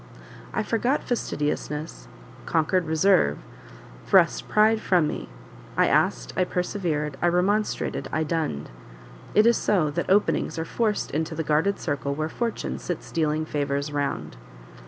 I forgot fastidiousness, conquered reserve, thrust pride from me: I asked, I persevered, I remonstrated, I dunned. It is so that openings are forced into the guarded circle where Fortune sits dealing favours round.